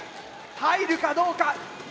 入るかどうか。